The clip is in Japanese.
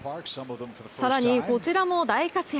更に、こちらも大活躍。